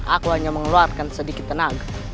aku hanya mengeluarkan sedikit tenang